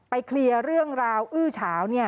เคลียร์เรื่องราวอื้อเฉา